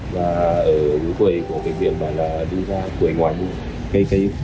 và ở quầy của bệnh viện là đi ra quầy ngoài mua cây cây